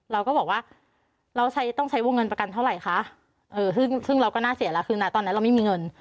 เราก็บอกว่าเราใช้ต้องใช้วงเงินประกันเท่าไหร่คะซึ่งเราก็น่าเสียแล้วคือนะตอนนั้นเราไม่มีเงิน